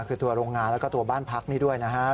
คือตัวโรงงานแล้วก็ตัวบ้านพักนี้ด้วยนะครับ